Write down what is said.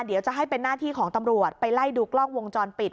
เดี๋ยวจะให้เป็นหน้าที่ของตำรวจไปไล่ดูกล้องวงจรปิด